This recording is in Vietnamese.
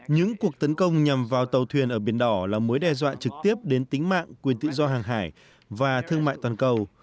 những cuộc tấn công nhằm vào tàu thuyền ở biển đỏ là mối đe dọa trực tiếp đến tính mạng quyền tự do hàng hải và thương mại toàn cầu